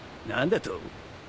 何だと？